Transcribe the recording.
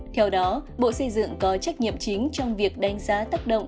theo đó bộ xây dựng có trách nhiệm chính trong việc đánh giá tác động